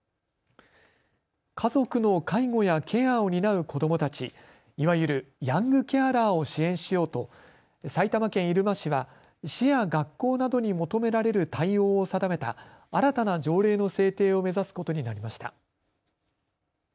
家族の介護やケアを担う子どもたち、いわゆるヤングケアラーを支援しようと埼玉県入間市は市や学校などに求められる対応を定めた新たな条例の制定を目指すことになりました。